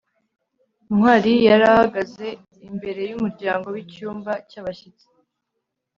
ntwali yari ahagaze imbere yumuryango wicyumba cyabashyitsi